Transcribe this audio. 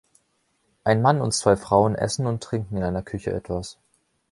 Ein Mann und zwei Frauen essen und trinken in einer Küche etwas.